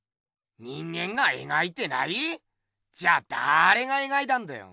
人間がえがいてない⁉じゃだれがえがいたんだよ。